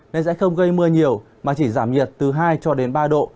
nên sẽ không gây mưa nhiều mà chỉ giảm nhiệt từ hai cho đến ba độ